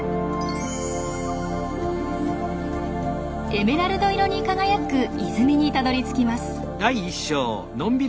エメラルド色に輝く泉にたどりつきます。